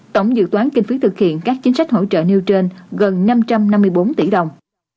tổng dự toán kinh phí thực hiện các chính sách hỗ trợ nêu trên gần năm trăm năm mươi bốn tỷ đồng